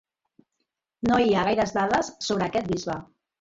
No hi ha gaires dades sobre aquest bisbe.